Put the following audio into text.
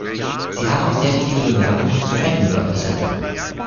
Sie haben auch sehr wichtige Bemerkungen zu Fetten geäußert.